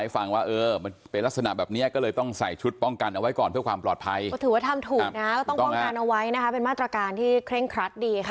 ผู้ป่วยด้วยไม่ใช่ผู้ป่วยด้วยนะ